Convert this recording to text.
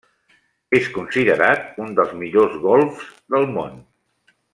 És considerat un dels millors golfs del món.